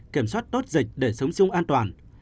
kiểm soát tốt dịch để sống chung an toàn